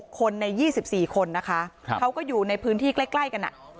๖คนใน๒๔คนนะคะเขาก็อยู่ในพื้นที่ใกล้กัน